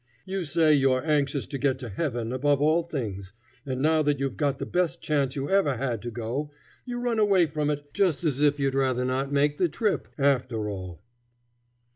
You say you're anxious to get to heaven above all things, and now that you've got the best chance you ever had to go, you run away from it just as if you'd rather not make the trip, after all."